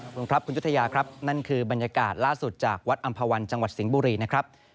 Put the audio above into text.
คุณครับคุณยุธยาครับนั่นคือบรรยากาศล่าสุดจากวัดอำภาวันจังหวัดสิงห์บุรีนะครับ